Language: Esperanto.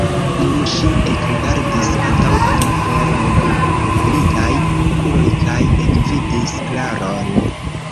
Nun ŝi ekrigardis antaŭen per nebulitaj okuloj kaj ekvidis Klaron.